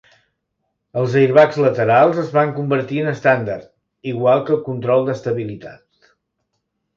Els airbags laterals es van convertir en estàndard, igual que el control d'estabilitat.